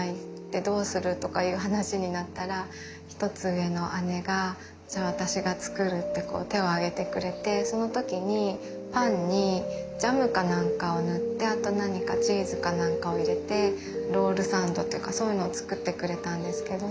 でどうするとかいう話になったら１つ上の姉がじゃあ私が作るって手を挙げてくれてその時にパンにジャムか何かをぬってあと何かチーズか何かを入れてロールサンドっていうかそういうのを作ってくれたんですけど。